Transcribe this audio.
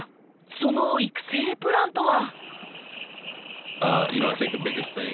その育成プランとは。